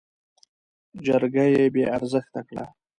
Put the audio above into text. جرګه يې بې ارزښته کړه.